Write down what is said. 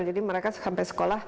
jadi mereka sampai sekolah